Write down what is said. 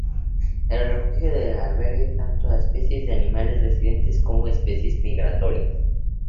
El Refugio da albergue tanto a especies de animales residentes como a especies migratorias.